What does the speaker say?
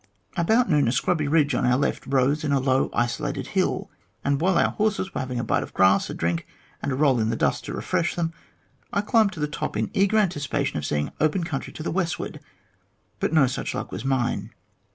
About noon a scrubby ridge on our left rose into a low isolated hill, and while our horses were having a bite of grass, a drink, and a roll in the dust to refresh them, I climbed to the top in eager anticipation of seeing open country to the westward, but no such luck was mine.